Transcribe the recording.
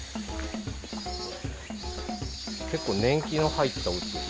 結構年季の入ったおうちですね。